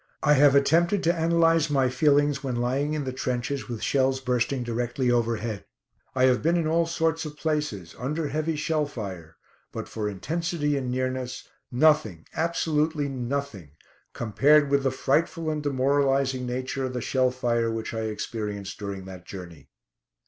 I have attempted to analyse my feelings when lying in the trenches with shells bursting directly overhead. I have been in all sorts of places, under heavy shell fire, but for intensity and nearness nothing absolutely nothing compared with the frightful and demoralising nature of the shell fire which I experienced during that journey.